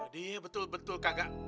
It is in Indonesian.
dia betul betul kagak